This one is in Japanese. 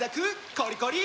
コリコリ！